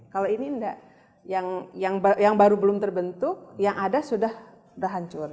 kalau ini enggak yang baru belum terbentuk yang ada sudah berhancur